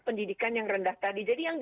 pendidikan yang rendah tadi jadi yang